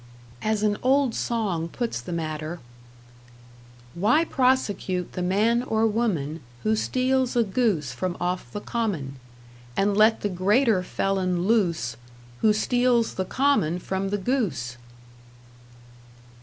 As an old song puts the matter: Why prosecute the man or woman Who steals a goose from off the common, And let the greater felon loose Who steals the common from the goose?